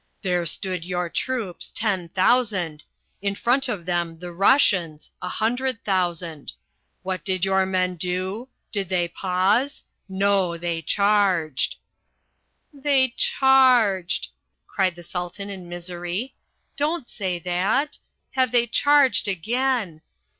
"There stood your troops ten thousand! In front of them the Russians a hundred thousand. What did your men do? Did they pause? No, they charged!" "They charged!" cried the Sultan in misery. "Don't say that! Have they charged again!